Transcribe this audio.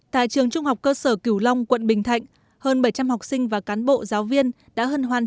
tại trường trung học cơ sở cửu long quận bình thạnh hơn bảy trăm linh học sinh và cán bộ giáo viên đã hân hoan